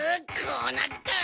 こうなったら！